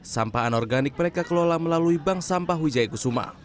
sampahan organik mereka kelola melalui bank sampah wijayaku suma